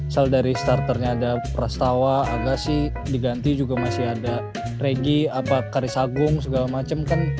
soalnya dari starternya ada prasawa agassi diganti juga masih ada regi karisagung segala macem kan